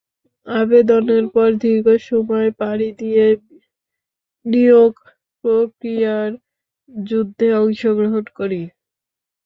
আবেদনের পর দীর্ঘ সময় পাড়ি দিয়ে নিয়োগ প্রক্রিয়ার যুদ্ধে অংশগ্রহণ করি।